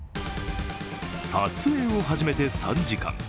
撮影を始めて３時間。